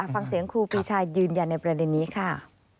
ฟังเสียงครูปีชายืนยันในประเด็นนี้ค่ะ